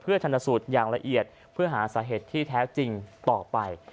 ชนสูตรอย่างละเอียดเพื่อหาสาเหตุที่แท้จริงต่อไป